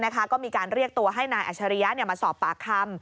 ก็มีการเรียกตัวให้นายอัชริยะมาสอบปากคำ